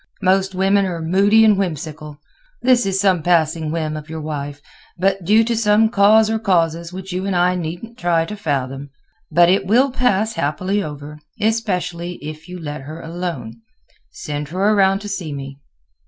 Most women are moody and whimsical. This is some passing whim of your wife, due to some cause or causes which you and I needn't try to fathom. But it will pass happily over, especially if you let her alone. Send her around to see me."